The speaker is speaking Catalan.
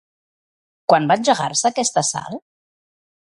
Quan va engegar-se aquest assalt?